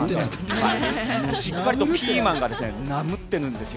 しっかりとピーマンがナムってるんですよ。